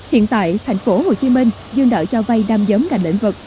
hiện tại thành phố hồ chí minh dương đợi cho vay năm giống gần lĩnh vực